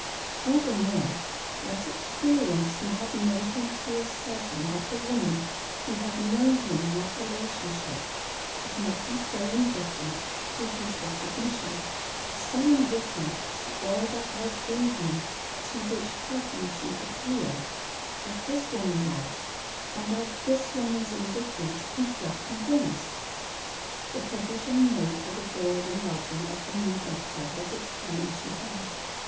Furthermore, what experience he had made him feel certain that the woman who had known him in that relationship could not be so indifferent to his recognition, so indifferent to all that was in him to which her beauty appealed, as this woman was, and of this woman's indifference he felt convinced. The provision made for the board and lodging of the new doctor was explained to him.